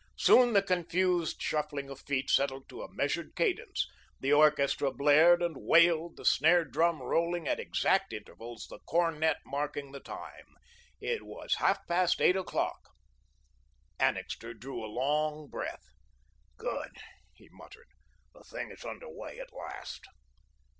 Soon the confused shuffling of feet settled to a measured cadence; the orchestra blared and wailed, the snare drum, rolling at exact intervals, the cornet marking the time. It was half past eight o'clock. Annixter drew a long breath: "Good," he muttered, "the thing is under way at last."